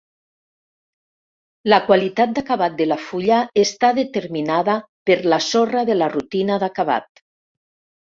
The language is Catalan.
La qualitat d'acabat de la fulla està determinada per la sorra de la rutina d'acabat.